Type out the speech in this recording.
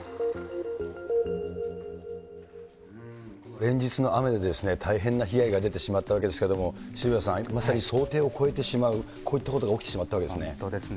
連日の雨で大変な被害が出てしまったわけですけれども、渋谷さん、まさに想定を超えてしまう、こういったことが起きてしまったわけですね。